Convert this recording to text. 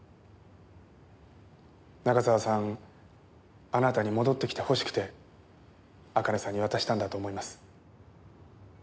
中沢さんあなたに戻ってきてほしくて茜さんに渡したんだと思います。